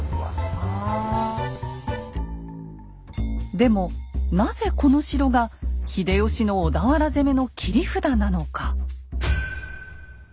でもなぜこの城が秀吉の小田原攻めの切り札なのか。